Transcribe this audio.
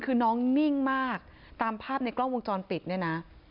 คือน้องนิ่งมากตามภาพในกล้องวงจรปิดเนี่ยนะ